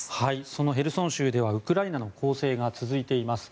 そのヘルソン州ではウクライナの攻勢が続いています。